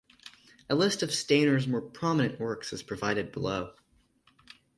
A list of Stainer's more prominent works is provided below.